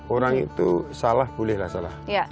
orang itu salah bolehlah salah